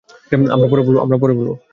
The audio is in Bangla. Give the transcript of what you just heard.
আমরা পরে বলবো।